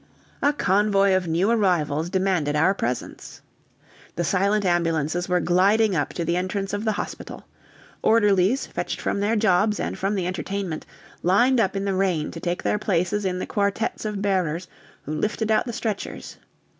A convoy of new arrivals demanded our presence. The silent ambulances were gliding up to the entrance of the hospital. Orderlies, fetched from their jobs and from the entertainment, lined up in the rain to take their places in the quartettes of bearers who lifted out the stretchers.